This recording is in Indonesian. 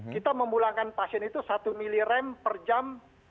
kita memulakan pasien itu satu miliar per jam